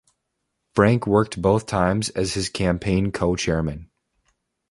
Frank worked both times as his campaign co-chairman.